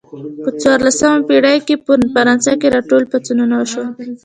په څوارلسمه پیړۍ کې په فرانسه کې راکري پاڅونونه وشول.